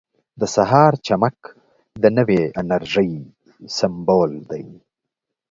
• د سهار چمک د نوې انرژۍ سمبول دی.